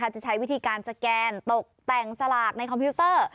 จะใช้วิธีการสแกนตกแต่งสลากในคอมพิวเตอร์